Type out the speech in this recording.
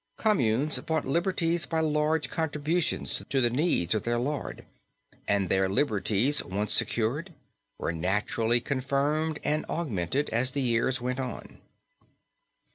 Communes bought liberties by large contributions to the needs of their lord; and their liberties, once secured, were naturally confirmed and augmented, as the years went on.